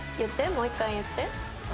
もう１回言って。